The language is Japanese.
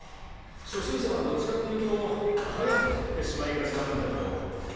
初心者はどっちかっていうと早く振ってしまいがちなんだけど。